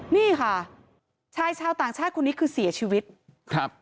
นี่ค่ะชายชาวต่างชาติคนนี้คือเสียชีวิตครับ